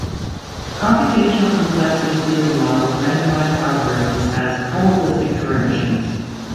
Computational complexity theory models randomized algorithms as "probabilistic Turing machines".